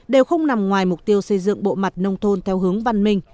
đều không nằm ngoài mục tiêu xây dựng bộ mặt nông thôn theo hướng văn minh